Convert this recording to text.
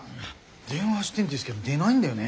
電話してんですけど出ないんだよね。